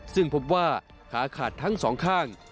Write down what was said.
ซึ่งพบว่าขาขาดทั้งสองข้าง